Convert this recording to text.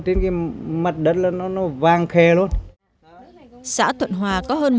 mới lên bơm mới lên bơm mới lên bơm mới lên bơm mới lên bơm mới lên bơm mới lên bơm